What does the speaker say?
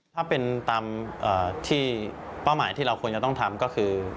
ถ้าเป็นตามที่เป้าหมายที่เราควรจะต้องทำก็คือ